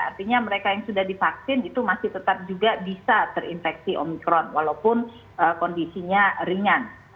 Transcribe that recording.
artinya mereka yang sudah divaksin itu masih tetap juga bisa terinfeksi omikron walaupun kondisinya ringan